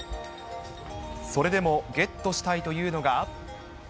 それでもゲットしたいというのが。